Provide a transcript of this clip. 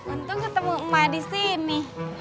untung ketemu emak di sini